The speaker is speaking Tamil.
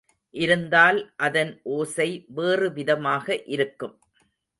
இருந்தால் அதன் ஓசை வேறு விதமாக இருக்கும்.